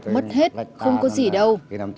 mất hết không có gì đâu